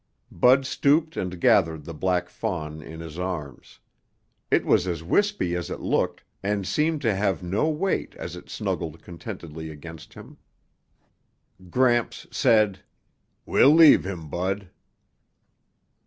Bud stooped and gathered the black fawn in his arms. It was as wispy as it looked and seemed to have no weight as it snuggled contentedly against him. Gramps said, "We'll leave him, Bud."